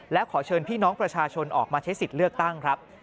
และขอเชิญพี่น้องประชาชนออกมาใช้สิทธิ์เลือกตั้งครับ